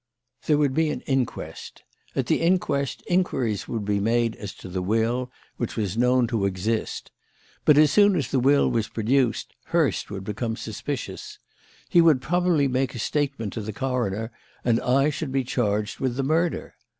"There would be an inquest. At the inquest, inquiries would be made as to the will which was known to exist. But, as soon as the will was produced, Hurst would become suspicious. He would probably make a statement to the coroner and I should be charged with the murder.